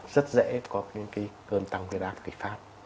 rất dễ có những cơn tăng huyết áp kịch phát